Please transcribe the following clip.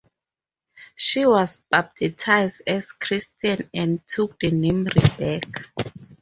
She was baptized as a Christian and took the name Rebecca.